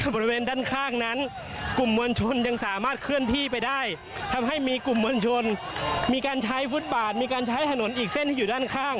บริเวณด้านข้างนั้นกลุ่มมวลชนยังสามารถเคลื่อนที่ไปได้ทำให้มีกลุ่มมวลชนมีการใช้ฟุตบาทมีการใช้ถนนอีกเส้นที่อยู่ด้านข้าง